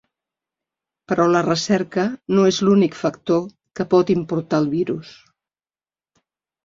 Però la recerca no és l’únic factor que pot importar el virus.